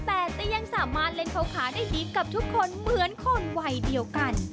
แต่จะยังสามารถเล่นเขาขาได้ดีกับทุกคนเหมือนคนวัยเดียวกัน